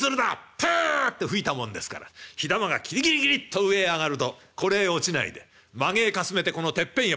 プッて吹いたもんですから火玉がキリキリキリッと上へ上がるとこれへ落ちないでまげへかすめてこのてっぺんへポトッ。